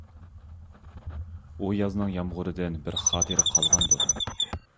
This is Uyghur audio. ئۇ يازنىڭ يامغۇرىدىن، بىر خاتىرە قالغاندۇر.